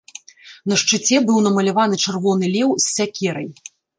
На шчыце быў намаляваны чырвоны леў з сякерай.